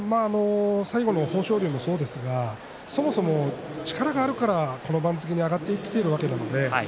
最後の豊昇龍もそうですがそもそも力があるからこの番付に上がってきているわけですね。